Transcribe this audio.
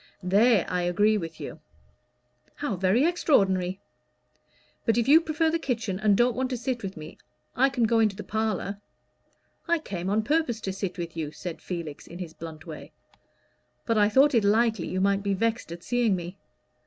"There I agree with you." "How very extraordinary! But if you prefer the kitchen, and don't want to sit with me, I can go into the parlor." "I came on purpose to sit with you," said Felix, in his blunt way, "but I thought it likely you might be vexed at seeing me.